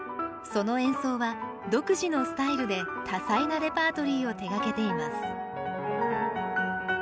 その演奏は独自のスタイルで多彩なレパートリーを手がけています。